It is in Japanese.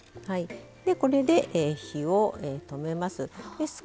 これで、火を止めます。